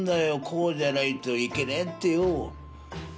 こうじゃないといけねえってよ。